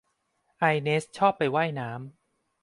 ไอเนสชอบไปว่ายน้ำ